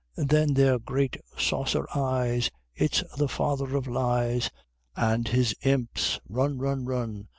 _ Then their great saucer eyes It's the Father of lies And his Imps run! run! run!